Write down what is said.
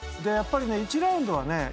やっぱりね１ラウンドはね